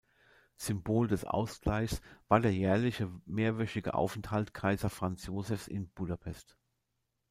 Symbol des Ausgleichs war der jährliche mehrwöchige Aufenthalt Kaiser Franz Josephs in Budapest.